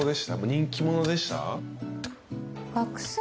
人気者でした？